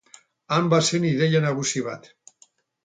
Han bazen ideia nagusi bat.